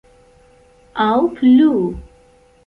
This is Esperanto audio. Aŭ plu.